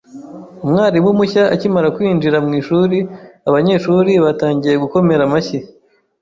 Umwarimu mushya akimara kwinjira mu ishuri, abanyeshuri batangiye gukomera amashyi.